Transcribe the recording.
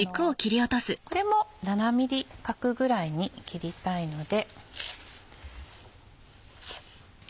これも７ｍｍ角ぐらいに切りたいので。